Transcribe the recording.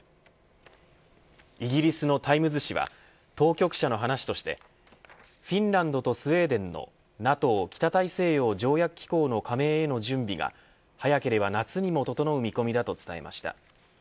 イギリスのタイムズ紙は当局者の話としてフィンランドとスウェーデンのＮＡＴＯ北大西洋条約機構の加盟の準備が早ければ夏にも整う見込みだと伝えました。